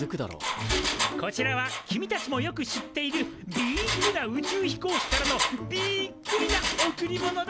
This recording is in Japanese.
こちらは君たちもよく知っているビッグな宇宙飛行士からのビックリな贈り物だ。